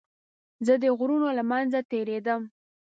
زه د غرونو له منځه تېرېدم.